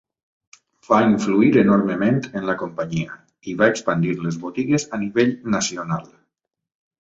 Va influir enormement en la companyia i va expandir les botigues a nivell nacional.